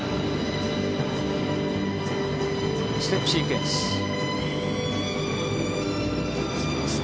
ステップシークエンス。